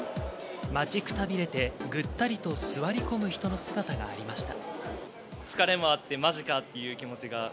待ちくたびれて、ぐったりと座り込む人の姿がありました。